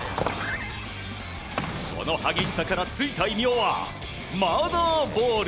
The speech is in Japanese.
その激しさからついた異名はマーダーボール。